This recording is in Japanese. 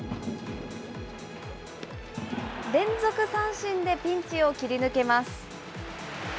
連続三振でピンチを切り抜けます。